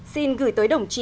xin gửi tới đồng chí